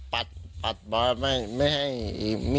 แล้วตัวผู้ชายได้ปัดป้องอะไรไหม